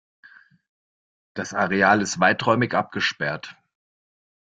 Das Areal ist weiträumig abgesperrt.